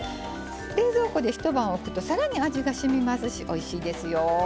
冷蔵庫で一晩おくと更に味がしみますしおいしいですよ。